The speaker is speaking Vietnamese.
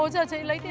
giờ chị lấy đồ